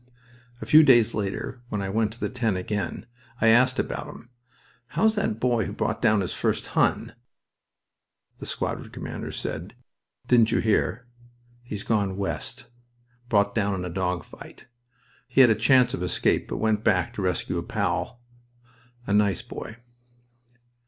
A few days later, when I went to the tent again, I asked about him. "How's that boy who brought down his first 'Hun'?" The squadron commander said: "Didn't you hear? He's gone west. Brought down in a dog fight. He had a chance of escape, but went back to rescue a pal... a nice boy."